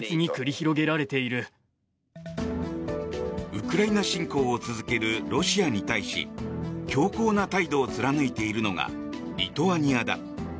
ウクライナ侵攻を続けるロシアに対し強硬な態度を貫いているのがリトアニアだ。